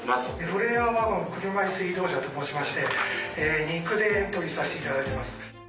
フレアワゴン車いす移動車と申しまして二駆でエントリーさせていただきます。